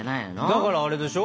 だからあれでしょ。